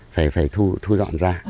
phải thu dọn ra